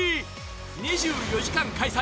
２４時間開催